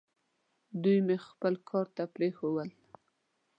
دوی مې خپل کار ته پرېښوول.